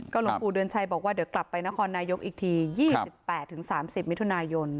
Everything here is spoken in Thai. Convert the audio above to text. ก็หลวงปู่เดือนชัยบอกว่าเดี๋ยวกลับไปนครนายกอีกทียี่สิบแปดถึงสามสิบมิถุนายน